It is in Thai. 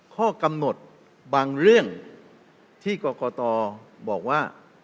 ข้อกำหนดบางเรื่องที่กรกตบอกว่า